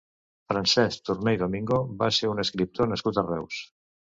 Francesc Torné i Domingo va ser un escriptor nascut a Reus.